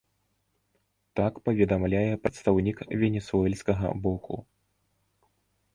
Так паведамляе прадстаўнік венесуэльскага боку.